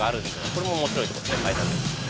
これも面白いところですね